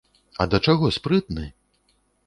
А да чаго спрытны!